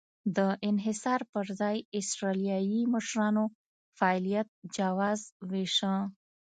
د انحصار پر ځای اسټرالیایي مشرانو فعالیت جواز وېشه.